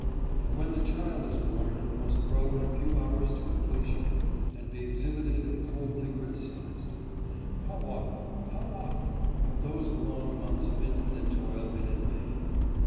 And when the child is born it must grow in a few hours to completion, and be exhibited and coldly criticised. How often, how often, have those long months of infinite toil been in vain!